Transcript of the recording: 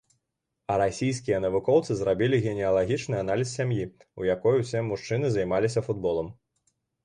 А расійскія навукоўцы зрабілі генеалагічны аналіз сям'і, у якой усе мужчыны займаліся футболам.